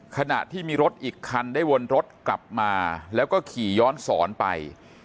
ขณะที่มีรถอีกคันได้วนรถกลับมาแล้วก็ขี่ย้อนสอนไป